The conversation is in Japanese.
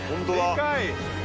でかい！